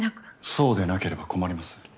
そうでなければ困ります。